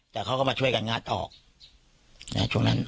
แต่เขาก็มาช่วยกันงัดออกช่วงนั้น